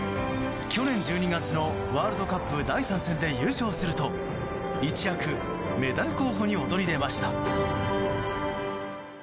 去年１２月のワールドカップ第３戦で優勝すると一躍メダル候補に躍り出ました。